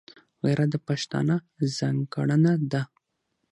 غیرت د پښتانه ځانګړنه ده